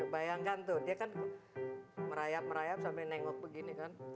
bayangkan tuh dia kan merayap merayap sampai nengok begini kan